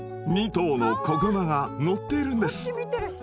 ２頭の子グマが乗っているんです。